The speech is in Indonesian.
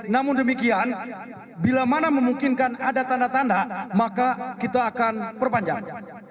namun demikian bila mana memungkinkan ada tanda tanda maka kita akan perpanjang